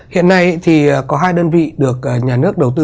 hiện nay thì có hai đơn vị được nhà nước đầu tư